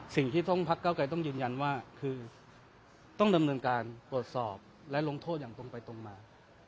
สิ่งที่ต้องพักเก้าไกรต้องยืนยันว่าคือต้องดำเนินการตรวจสอบและลงโทษอย่างตรงไปตรงมา